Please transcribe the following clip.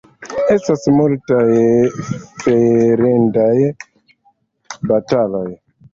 Estas multaj farendaj bataloj.